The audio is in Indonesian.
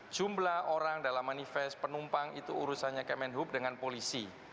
jumlah orang dalam manifest penumpang itu urusannya kemenhub dengan polisi